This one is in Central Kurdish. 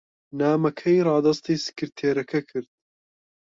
نامەکەی ڕادەستی سکرتێرەکە کرد.